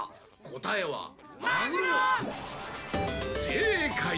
せいかい！